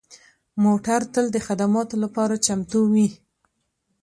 موټر تل د خدماتو لپاره چمتو وي.